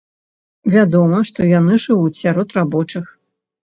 Вядома, што яны жывуць сярод рабочых.